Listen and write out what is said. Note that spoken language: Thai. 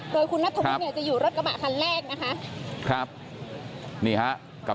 โดยคุณนัทธบุฒิจะอยู่รถกระบะคันแรกนะคะ